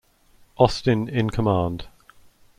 Austin in command.